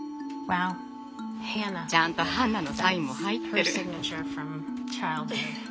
ちゃんとハンナのサインも入ってる。